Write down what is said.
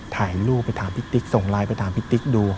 ถ่ายรูปส่งไลน์ไปถามพี่ติ๊กดู